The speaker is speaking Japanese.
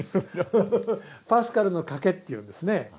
「パスカルの賭け」っていうんですね。